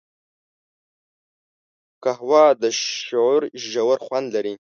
قهوه د شعور ژور خوند لري